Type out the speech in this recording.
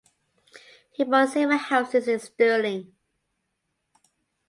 He bought several houses in Stirling.